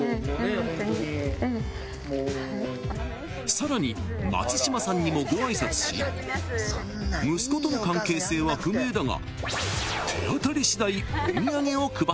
［さらに松嶋さんにもご挨拶し息子との関係性は不明だが］